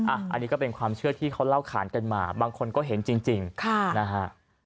อันนี้ก็เป็นความเชื่อที่เขาเล่าขานกันมาบางคนก็เห็นจริงนะฮะ